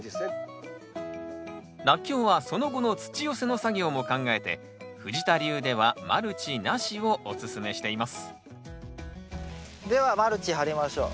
ラッキョウはその後の土寄せの作業も考えて藤田流ではマルチなしをおすすめしていますではマルチ張りましょう。